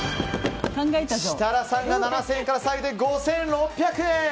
設楽さんが７０００円から下げて５６００円。